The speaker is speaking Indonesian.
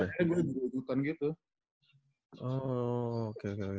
akhirnya gue jadi ikutan gitu